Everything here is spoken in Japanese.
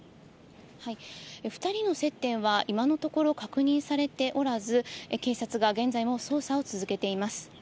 ２人の接点は、今のところ確認されておらず、警察が現在も捜査を続けています。